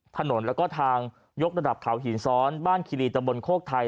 ถนนแล้วก็ทางยกระดับเขาหินซ้อนบ้านคิรีตะบนโคกไทย